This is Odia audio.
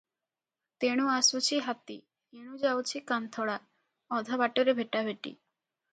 ତେଣୁ ଆସୁଛି ହାତୀ, ଏଣୁ ଯାଉଛି କାନ୍ଥଡ଼ା, ଅଧ ବାଟରେ ଭେଟାଭେଟି ।